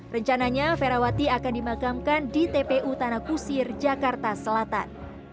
rencananya ferawati akan dimakamkan di tpu tanah kusir jakarta selatan